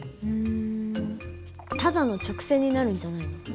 うんただの直線になるんじゃないの？